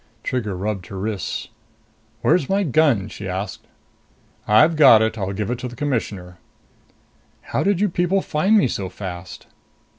Trigger rubbed her wrists. "Where's my gun?" she asked. "I've got it. I'll give it to the Commissioner." "How did you people find me so fast?"